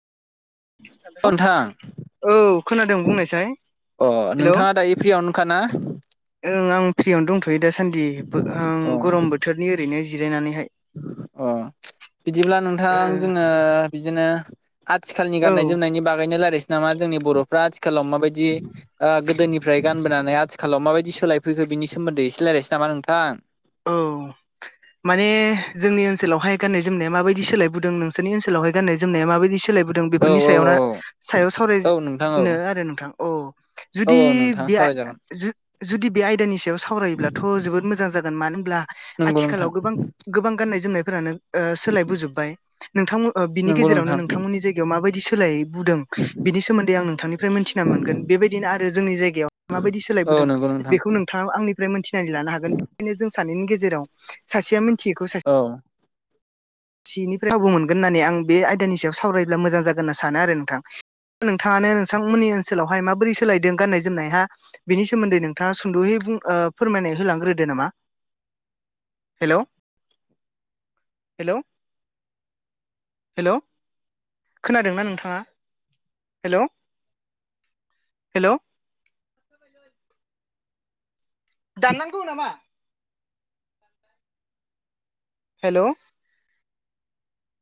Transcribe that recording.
औ हेलौ नोंथां औ खोनादों बुंनायसाय ओ हेलौ नोंथांआ दायो फ्रिआवनोखाना ओं आं फ्रिआवनो दंथ'यो दासानदि ओं गरम बोथोरनि ओरैनो जिरायनानैहाय आं बिदिब्ला नोंथां जोङो बिदिनो आथिखालनि ओ गाननाय औ जोमनायनि बागैनो रायज्लायसै नामा जोंनि बर'फ्रा आथिखालाव माबायदि ओ गोदोनिफ्राय गानबोनानै आथिखालाव माबायदि सोलायफैखो बिनि सोमोन्दै एसे रायल्लायसै नामा नोंथां औ माने हो जोंनि ओनसोलावहाय गाननाय जोम जोमनाय माबयदि सोलायबोदों नोंसोरनि ओनसावहाय गनाय माबायदि सो सोलायबोदों औ बेफोरनि औ सायाव नो औ सायाव औ नोंथां औ सावरायनो आरो नोंथां ओ औ जुदि औ नोंथां बे सावरायजागोन [inaudible] जुदि बे आयदानि सायाव सावरायोब्लाथ' जोबोद मोजां जागोन मानो होनब्ला हो नंगौ नोंथां आथिखालाव गोबां गोबां गाननाय जोमनायफोरानो ओ सोलाय बोजोबबाय नोंथांमोन ओ बिनि नंगौ गेजेरावनो नोंथां नोंथांमोननि जायगायाव माबायदि सोलाय बुदों हो बिनि सोमोन्दै आं नोंथांनिफ्राय मिथिना मोनगोन बेबायदिनो आरो जोंनि जायगायाव माबादि सोलाय बो ओ नोंगौ नोंथां औ आंनिफ्राय मोनथिनानै लानो हागोन बेनिनो जों सानैनि गेजेराव सासे मिथियैखौ सासेआ मो औ सिनिफ्राय खाबु मोनगोन होननानै आं बे आयदानि सायाव सावरायब्ला मोजां जागोन होनना सानो आरो नोंथां नोंथांआनो नोंथांमोननि ओनसोलावहाय माबोरै सोलायदों गाननाय जोमनाय हो बिनि सोमोन्दै नोंथांआ सुंद'यै बुं ओ फोरमायना होलांग्रोदो नामा हेल' हेल' हेल' खोनादोंना नोंथांआ हेल' हेल' दाननांगौ नामा हेल'